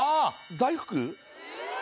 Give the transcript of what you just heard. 大福？